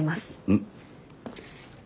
うん。